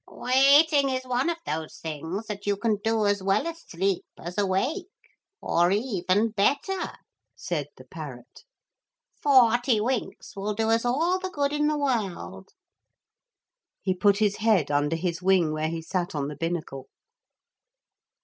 'Waiting is one of those things that you can do as well asleep as awake, or even better,' said the parrot. 'Forty winks will do us all the good in the world.' He put his head under his wing where he sat on the binnacle.